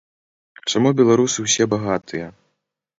Чаму беларусы ўсе багатыя?